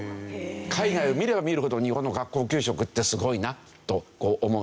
海外を見れば見るほど日本の学校給食ってすごいなとこう思うんですね。